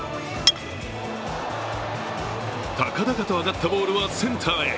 高々と上がったボールはセンターへ。